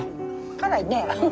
辛いね。